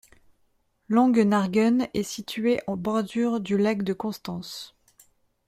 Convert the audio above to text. Langenargen, est située en bordure du lac de Constance.